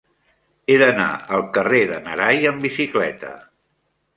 He d'anar al carrer de n'Arai amb bicicleta.